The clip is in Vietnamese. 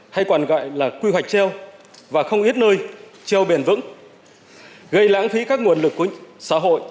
hay còn gọi là quy hoạch treo và không ít nơi treo biển vững gây lãng phí các nguồn lực của xã hội